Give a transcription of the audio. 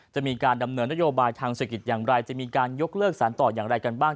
จะมีการดำเนินนโยบายทางเศรษฐกิจอย่างไรจะมีการยกเลิกสารต่ออย่างไรกันบ้าง